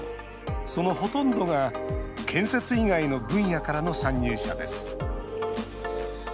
そのほとんどが建設以外の分野からの参入者です。